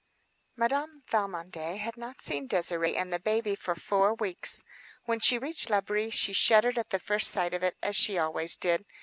Madame Valmondé had not seen Désirée and the baby for four weeks. When she reached L'Abri she shuddered at the first sight of it, as she always did.